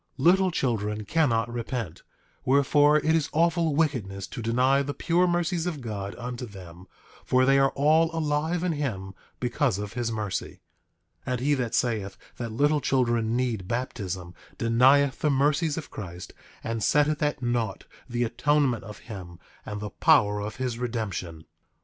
8:19 Little children cannot repent; wherefore, it is awful wickedness to deny the pure mercies of God unto them, for they are all alive in him because of his mercy. 8:20 And he that saith that little children need baptism denieth the mercies of Christ, and setteth at naught the atonement of him and the power of his redemption.